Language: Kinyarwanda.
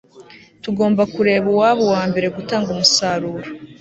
Tugomba kureba uwaba uwambere gutanga umusaruro